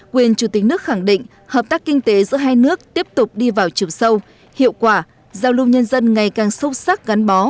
quyền chủ tịch nước khẳng định hợp tác kinh tế giữa hai nước tiếp tục đi vào trường sâu hiệu quả giao lưu nhân dân ngày càng sâu sắc gắn bó